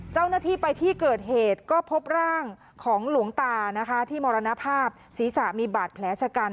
เจ้าหน้าที่ไปที่เกิดเหตุก็พบร่างของหลวงตานะคะที่มรณภาพศีรษะมีบาดแผลชะกัน